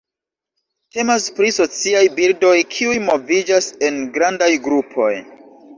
Temas pri sociaj birdoj kiuj moviĝas en grandaj grupoj.